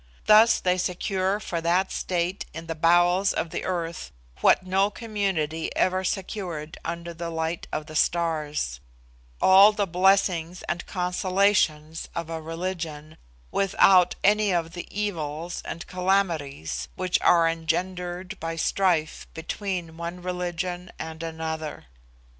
Thus they secure for that state in the bowels of the earth what no community ever secured under the light of the stars all the blessings and consolations of a religion without any of the evils and calamities which are engendered by strife between one religion and another.